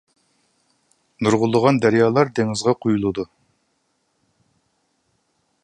نۇرغۇنلىغان دەريالار دېڭىزغا قۇيۇلىدۇ.